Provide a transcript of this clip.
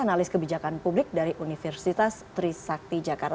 analis kebijakan publik dari universitas trisakti jakarta